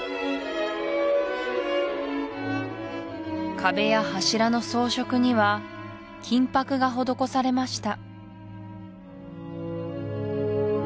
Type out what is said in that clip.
壁や柱の装飾には金箔が施されました